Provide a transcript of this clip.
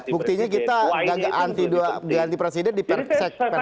buktinya kita ganti presiden dipersekusi dimana mana